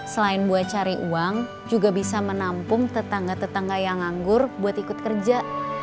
selain buat cari uang juga bisa menampung tetangga tetangga yang nganggur buat ikut kerja